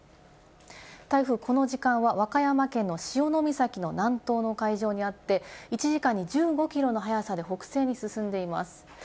台風、この時間は和歌山県の潮岬の南東の海上にあって１時間に１５キロの速さで北西に進んでいます。